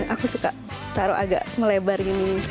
aku suka taruh agak melebar gini